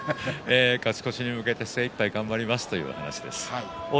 勝ち越しに向けて精いっぱい頑張りますという話でした。